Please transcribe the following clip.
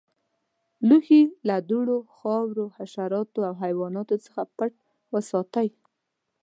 لوښي له دوړو، خاورو، حشراتو او حیواناتو څخه پټ وساتئ.